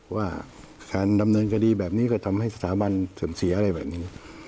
ว่าการดำเนินคดีแบบนี้ก็ทำให้สถาบันเสื่อมเสียอะไรแบบนี้